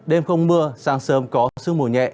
đêm không mưa sang sớm có sương mùi nhẹ